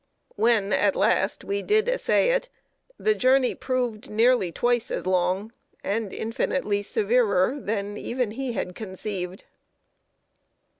When at last we did essay it, the journey proved nearly twice as long and infinitely severer than even he had conceived.